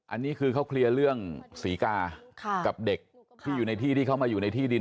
อันนี้คือเขาเคลียร์เรื่องศรีกากับเด็กที่อยู่ในที่ที่เขามาอยู่ในที่ดิน